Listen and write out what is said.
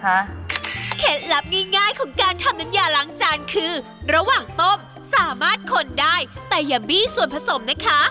เคล็ดลับง่ายของการทำน้ำยาล้างจานคือระหว่างต้มสามารถคนได้แต่อย่าบี้ส่วนผสมนะคะ